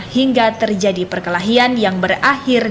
hingga terjadi perkelahian yang berakhir